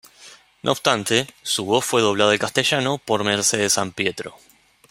No obstante, su voz fue doblada al castellano por Mercedes Sampietro